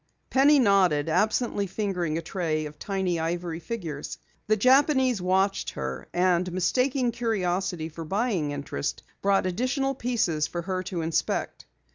Penny nodded, absently fingering a tray of tiny ivory figures. The Japanese watched her, and mistaking curiosity for buying interest, brought additional pieces for her to inspect.